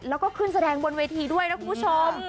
แล้วก็ขึ้นแสดงบนเวทีด้วยนะคุณผู้ชม